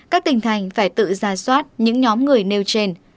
các tỉnh thành phải tự ra soát những nhóm người nêu trên